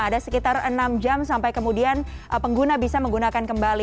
ada sekitar enam jam sampai kemudian pengguna bisa menggunakan kembali